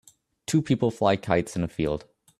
two people fly kites in a field